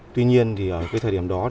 tuy nhiên ở thời điểm đó